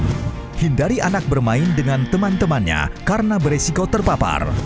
hindari anak bermain dengan teman temannya karena beresiko terpapar